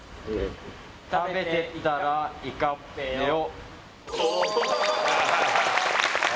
「食べてったらいかっぺよ！」